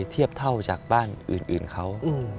เทียบเท่าจากบ้านอื่นเขา